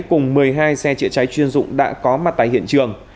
cùng một mươi hai xe chữa cháy chuyên dụng đã có mặt tại hiện trường